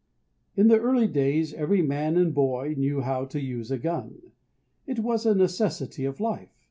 In the early days every man and boy knew how to use a gun. It was a necessity of life.